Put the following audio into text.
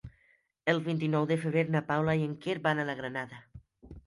El vint-i-nou de febrer na Paula i en Quer van a la Granada.